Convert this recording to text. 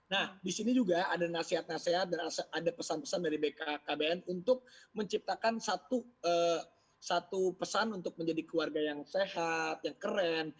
nah disini juga ada nasihat nasihat dan ada pesan pesan dari bkkbn untuk menciptakan satu pesan untuk menjadi keluarga yang sehat yang keren